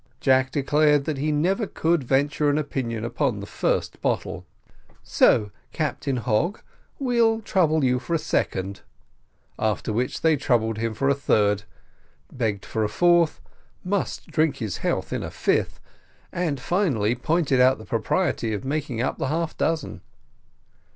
Jack declared that he never could venture an opinion upon the first bottle "So, Captain Hogg, we'll trouble you for a second" after which they troubled him for a third begged for a fourth must drink his health in a fifth, and finally, pointed out the propriety of making up the half dozen.